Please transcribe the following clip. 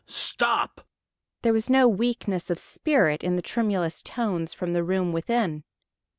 Stop!" There was no weakness of spirit in the tremulous tones from the room within.